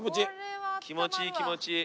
気持ちいい気持ちいい。